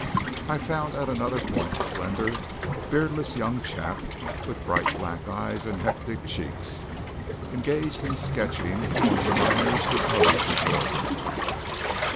I found at another point a slender, beardless young chap, with bright black eyes, and hectic cheeks, engaged in sketching one of the miners who posed before him.